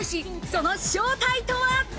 その正体とは？